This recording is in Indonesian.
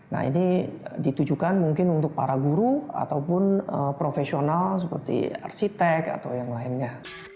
nah ini ditujukan mungkin untuk para guru ataupun profesional seperti arsitek atau yang lainnya